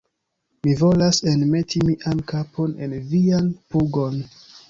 Mi volas enmeti mian kapon en vian pugon!